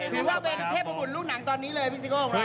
นี่ว่าเป็นเทพบุญรูปหนังตอนนี้เลยพิสิโกะของเรา